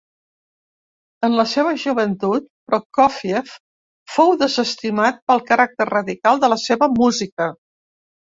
En la seva joventut, Prokófiev fou desestimat pel caràcter radical de la seva música.